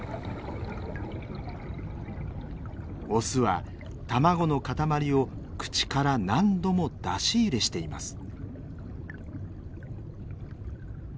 オスは卵の塊を口から何度も出し入れしています。